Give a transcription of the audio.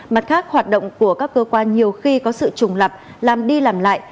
mặt khác hoạt động của các cơ quan nhiều khi có sự trùng lập làm đi làm lại